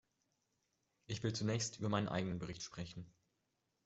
Ich will zunächst über meinen eigenen Bericht sprechen.